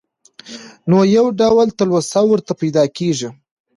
نو يو ډول تلوسه ورته پېدا کيږي.